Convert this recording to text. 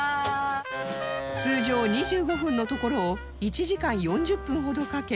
通常２５分のところを１時間４０分ほどかけ